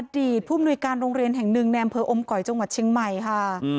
อดีตผู้อำนวยการโรงเรียนแห่งหนึ่งแนมเพออมเกาะจังหวัดเชียงใหม่ค่ะ